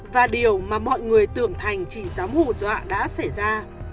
và điều mà mọi người tưởng thành chỉ dám hù dọa đã xảy ra